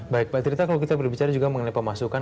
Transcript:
baik pak trita kalau kita berbicara juga mengenai pemasukan